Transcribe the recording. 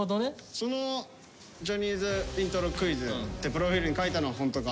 その「ジャニーズイントロクイズ」ってプロフィールに書いたのはホントか？